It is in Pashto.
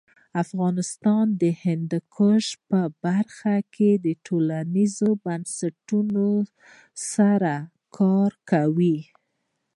افغانستان د هندوکش په برخه کې نړیوالو بنسټونو سره کار کوي.